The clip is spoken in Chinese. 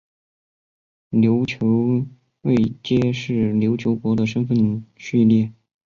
琉球位阶是琉球国的身分序列。